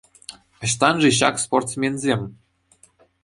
Ӑҫтан-ши ҫак спортсменсем?